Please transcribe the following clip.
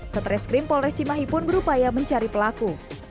satreskrim polres cimahi pun berupaya mencari pelaku